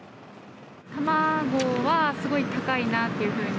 卵はすごい高いなっていうふうに。